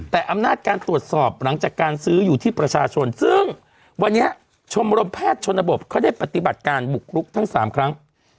แต่อำนาจการตรวจสอบหลังจากการซื้ออยู่ที่ประชาชนซึ่งวันนี้ชมรมแพทย์ชนบทเขาได้ปฏิบัติการบุกรุกทั้ง๓ครั้ง